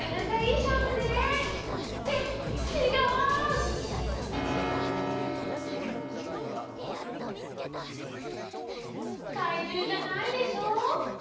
かいじゅうじゃないでしょう。